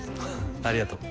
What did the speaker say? ありがとう。